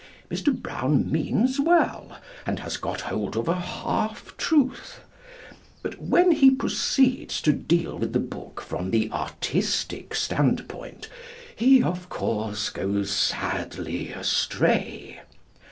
Mr. Brown means well, and has got hold of a half truth, but when he proceeds to deal with the book from the artistic stand point, he, of course, goes sadly astray.